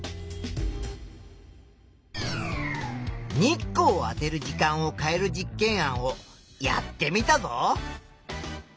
日光をあてる時間を変える実験案をやってみたぞ。